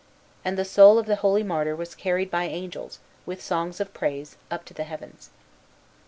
And the soul of the holy martyr was carried by angels, with songs of praise, up to the heavens.